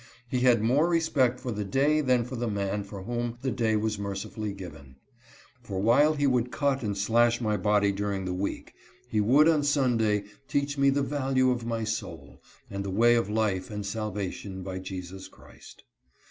He had more respect for the day than for the man for whom the day was mercifully given ; for while he would cut and slash my body during the week, he would on Sunday teach me the value of my soul, and the way of life and salvation by Jesus Christ.